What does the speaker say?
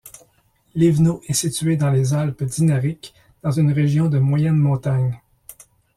Livno est située dans les Alpes dinariques, dans une région de moyenne montagne.